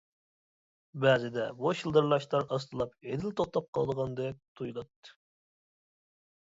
بەزىدە بۇ شىلدىرلاشلار ئاستىلاپ ھېلىلا توختاپ قالىدىغاندەك تۇيۇلاتتى.